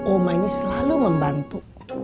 oma ini selalu membantu